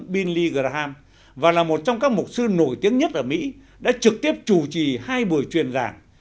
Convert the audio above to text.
billy graham và là một trong các mục sư nổi tiếng nhất ở mỹ đã trực tiếp chủ trì hai buổi truyền giảng